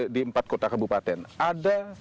di empat kota kebupaten ada